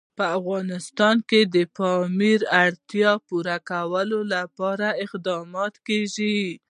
په افغانستان کې د پامیر د اړتیاوو پوره کولو لپاره اقدامات کېږي.